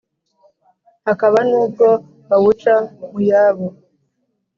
hakaba nubwo bawuca mu yabo,